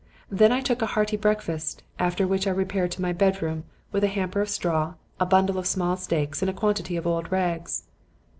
Then I took a hearty breakfast, after which I repaired to my bedroom with a hamper of straw, a bundle of small stakes and a quantity of odd rags.